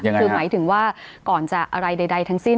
คือหมายถึงว่าก่อนจะอะไรใดทั้งสิ้น